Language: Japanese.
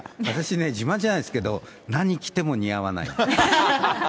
私ね、自慢じゃないですけど、何着ても似合わないの。